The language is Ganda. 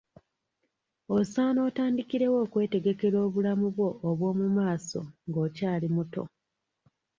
Osaana otandikirewo okwetegekera obulamu bwo obwo mu maaso ng'okyali muto.